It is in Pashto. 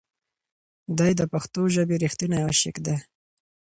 دی د پښتو ژبې رښتینی عاشق دی.